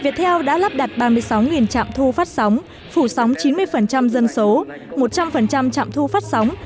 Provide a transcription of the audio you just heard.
chạm thu phát sóng phủ sóng chín mươi dân số một trăm linh chạm thu phát sóng